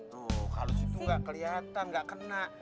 tuh kalau situ nggak kelihatan nggak kena